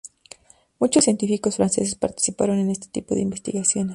Muchos científicos franceses participaron en ese tipo de investigaciones.